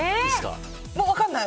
もう分かんない。